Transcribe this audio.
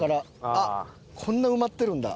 あっこんな埋まってるんだ。